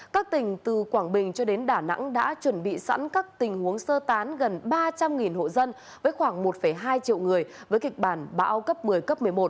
các tỉnh từ quảng bình cho đến đà nẵng đã chuẩn bị sẵn các tình huống sơ tán gần ba trăm linh hộ dân với khoảng một hai triệu người với kịch bản bão cấp một mươi cấp một mươi một